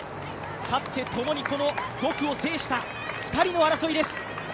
かつて共にこの５区を制した２人の争いです。